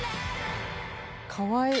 かわいい。